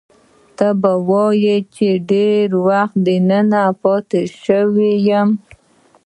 ته به وایې چې ډېر وخت به دننه پاتې شوی یم.